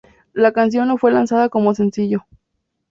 La canción no fue lanzada como sencillo.